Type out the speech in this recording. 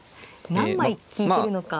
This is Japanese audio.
何枚利いてるのか。